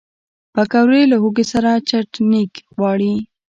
پکورې له هوږې سره چټني غواړي